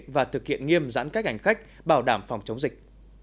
và thực hiện nghiêm giãn cách hành khách bảo đảm phòng chống dịch